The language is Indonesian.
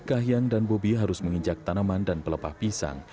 kahiyang dan bobi harus menginjak tanaman dan pelepah pisang